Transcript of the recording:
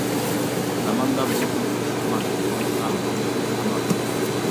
زاماندا بولغىن قىز ئامان، كوچىغا بولمىغىن قامال.